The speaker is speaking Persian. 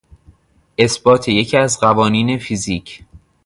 اثبات یکی از قوانین فیزیک